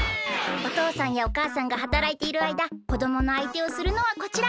おとうさんやおかあさんがはたらいているあいだこどものあいてをするのはこちら！